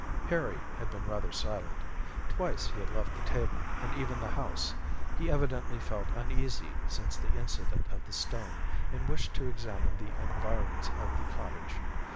Harry had been rather silent. Twice he had left the table, and even the house. He evidently felt uneasy since the incident of the stone, and wished to examine the environs of the cottage.